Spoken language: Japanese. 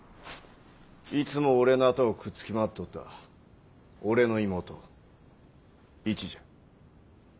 いつも俺のあとをくっつき回っておった俺の妹市じゃ。